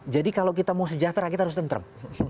jadi kalau kita mau sejahtera kita harus tentrem